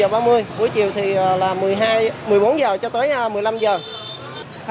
buổi chiều thì là một mươi bốn h cho tới một mươi năm h